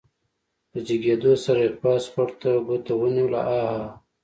له جګېدو سره يې پاس خوړ ته ګوته ونيوله عاعاعا.